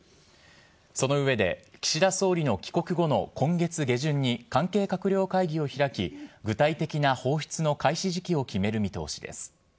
その上で、岸田総理の帰国後の今月下旬に関係閣僚会議を開き、具体的な放出の開始時期を決める見通しです。